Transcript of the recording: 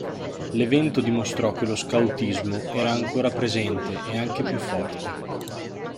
L'evento dimostrò che lo Scautismo era ancora presente e anche più forte.